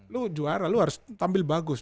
lu juara lu harus tampil bagus